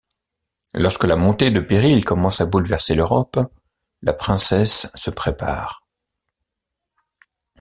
Lorsque la montée de périls commence à bouleverser l'Europe, la princesse se prépare.